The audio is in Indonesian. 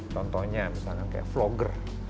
contohnya misalnya kayak vlogger